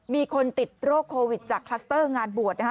มีคนติดโรคโควิดจากคลัสเตอร์งานบวชนะคะ